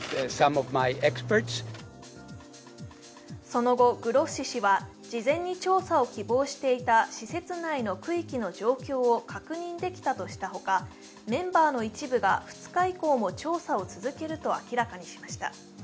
その後、グロッシ氏は事前に調査を希望していた施設内の区域の状況を確認できたとしたほか、メンバーの一部が２日以降も調査を続けると明らかにしました。